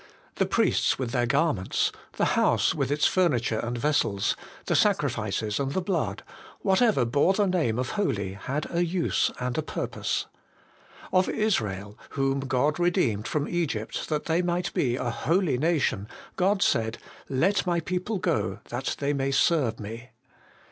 The priests with their garments, the house with its furniture and vessels, the sacrifices and the blood, whatever bore the name of holy had a use and a purpose. Of Israel, whom God redeemed from Egypt that they might be a holy nation, God said, ' Let my people go, that they may serve me.'